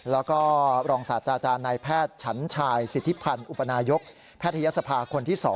แล้วก็รองศาสตราจารย์นายแพทย์ฉันชายสิทธิพันธ์อุปนายกแพทยศภาคนที่๒